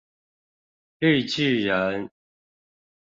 綠巨人